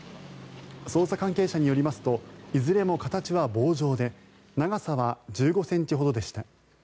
捜査関係者によりますといずれも形は棒状で長さは１５ｃｍほどでした。